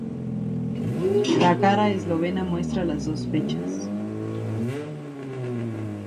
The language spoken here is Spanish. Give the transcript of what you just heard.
La cara eslovena muestra las dos fechas.